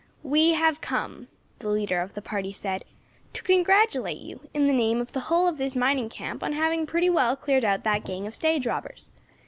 "We have come," the leader of the party said, "to congratulate you in the name of the hull of this mining camp on having pretty well cleared out that gang of stage robbers.